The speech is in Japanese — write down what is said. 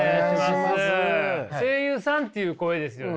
声優さんっていう声ですよね。